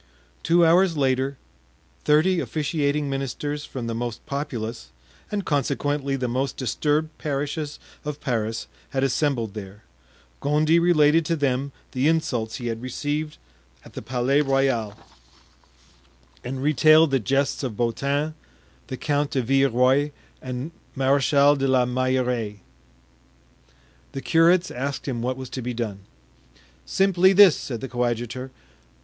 Two hours later, thirty officiating ministers from the most populous, and consequently the most disturbed parishes of Paris had assembled there. Gondy related to them the insults he had received at the Palais Royal and retailed the jests of Beautin, the Count de Villeroy and Marechal de la Meilleraie. The curates asked him what was to be done. "Simply this," said the coadjutor.